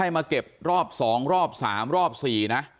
มาเก็บรอบ๒รอบ๓รอบ๔นะ